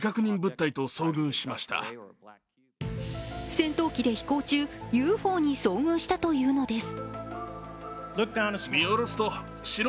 戦闘機で飛行中、ＵＦＯに遭遇したというのです。